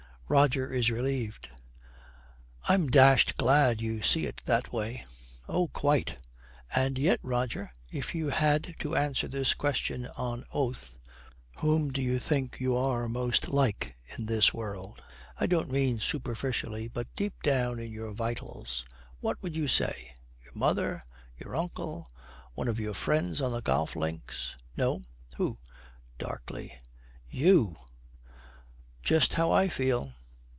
Roger is relieved. 'I'm dashed glad you see it in that way.' 'Oh, quite. And yet, Roger, if you had to answer this question on oath, "Whom do you think you are most like in this world?" I don't mean superficially, but deep down in your vitals, what would you say? Your mother, your uncle, one of your friends on the golf links?' 'No.' 'Who?' Darkly, 'You.' 'Just how I feel.'